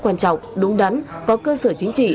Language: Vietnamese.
quan trọng đúng đắn có cơ sở chính trị